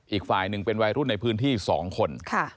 อีกฝ่ายหนึ่งเป็นวัยรุ่นในพื้นที่๒คน